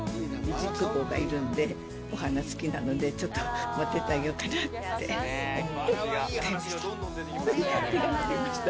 実母がいるんで、お花好きなので、ちょっと持ってってあげようかなって思って買いました。